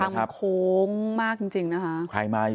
แต่ทางมันโค้งมากจริงนะฮะ